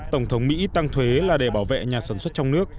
tổng thống mỹ tăng thuế là để bảo vệ nhà sản xuất trong nước